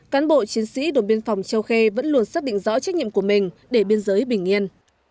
cán bộ chiến sĩ đồn biên phòng châu khê vẫn luôn xác định rõ trách nhiệm của mình để biên giới bình yên